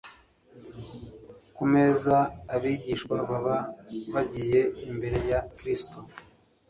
Ku meza abigishwa baba bagiye imbere ya Kristo.